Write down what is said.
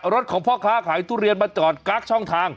รถของพ่อค้าขายทุเรียนมาจอดกั๊กช่องทาง